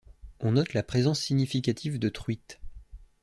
On note la présence significative de truites.